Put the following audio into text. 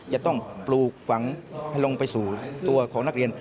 จะต้องปลูกฝังให้ลงไปสู่ตัวของนักเรียน